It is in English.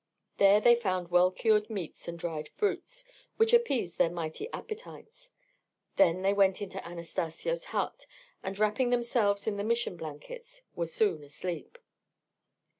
There they found well cured meats and dried fruits, which appeased their mighty appetites; then they went into Anastacio's hut, and wrapping themselves in the Mission blankets were soon asleep.